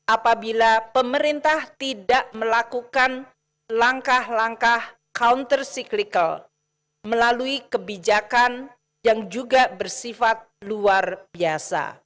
apabila pemerintah tidak melakukan langkah langkah counter cyclical melalui kebijakan yang juga bersifat luar biasa